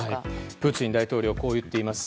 プーチン大統領はこう言っています。